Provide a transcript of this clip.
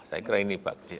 saya kira ini bagus